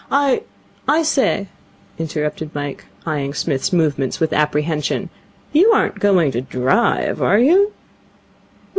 I ' 'I say,' interrupted Mike, eyeing Psmith's movements with apprehension, 'you aren't going to drive, are you?'